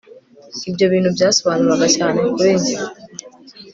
Ibyo bintu byasobanuraga cyane kuri njye